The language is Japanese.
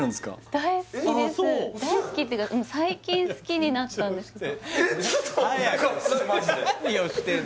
大好きっていうか最近好きになったんです早く！